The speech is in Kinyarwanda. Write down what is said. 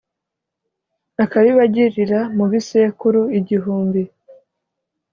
akabibagirira mu bisekuru igihumbi.